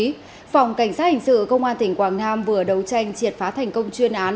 phòng cảnh sát hình sự công an tỉnh quảng nam vừa đấu tranh triệt phá thành công chuyên án